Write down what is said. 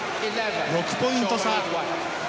６ポイント差。